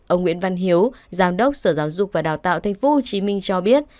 ông nguyễn văn hiếu giám đốc sở giáo dục và đào tạo tp hcm cho biết